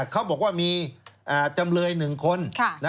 เขาบอกว่ามีจำเลย๑คน